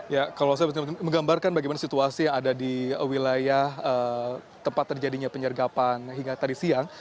ya kalau saya menggambarkan bagaimana situasi yang ada di wilayah tempat terjadinya penyergapan hingga tadi siang